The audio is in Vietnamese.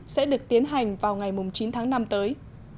sẽ được tiến hành vào ngày chín tháng năm tới